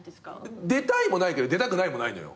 出たいもないけど出たくないもないのよ。